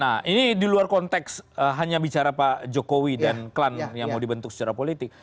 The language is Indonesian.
nah ini di luar konteks hanya bicara pak jokowi dan klan yang mau dibentuk secara politik